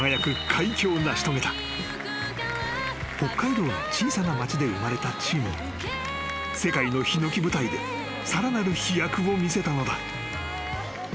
［北海道の小さな町で生まれたチームは世界のひのき舞台でさらなる飛躍を見せたのだ］